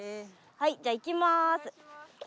はいじゃあいきます。